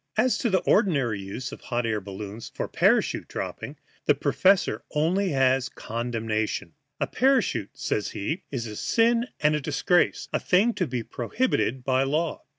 As to the ordinary use of hot air balloons for parachute dropping, the professor has only condemnation. A parachute, says he, is a sin and a disgrace a thing to be prohibited by law.